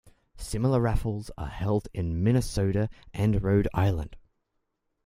Similar raffles are held in Minnesota and Rhode Island.